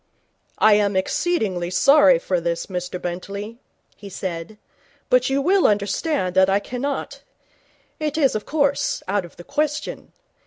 'I am exceedingly sorry for this, Mr Bentley,' he said, 'but you will understand that I cannot It is, of course, out of the question.